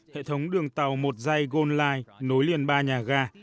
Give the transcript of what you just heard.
hệ thống đường tàu một dây gold line nối liền ba nhà ga